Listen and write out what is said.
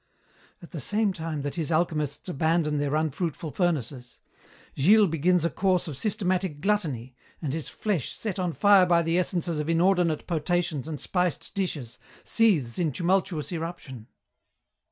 "At the same time that his alchemists abandon their unfruitful furnaces, Gilles begins a course of systematic gluttony, and his flesh, set on fire by the essences of inordinate potations and spiced dishes, seethes in tumultuous eruption.